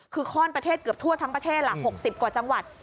คือข้อนประเทศเกือบทั่วทั้งประเทศล่ะ๖๐กว่าจังหวัด